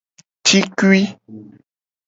Cikui.